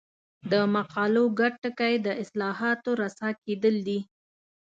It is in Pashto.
د مقالو ګډ ټکی د اصطلاحاتو رسا کېدل دي.